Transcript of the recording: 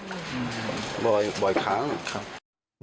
อืมบ่อยขาวนะครับ